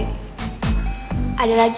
ntar aku pindah ya